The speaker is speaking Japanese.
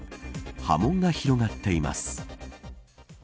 波紋が広がっています。